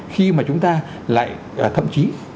khi mà chúng ta lại thậm chí